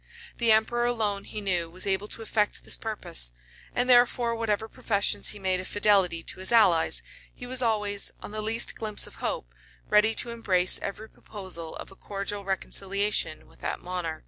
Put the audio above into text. The emperor alone, he knew, was able to effect this purpose; and therefore, whatever professions he made of fidelity to his allies, he was always, on the least glimpse of hope, ready to embrace every proposal of a cordial reconciliation with that monarch.